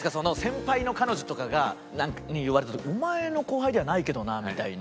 先輩の彼女とかに言われた時お前の後輩ではないけどなみたいな。